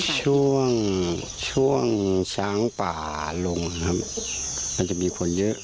ช่วงช้างป่าลงมันจะมีคนเยอะ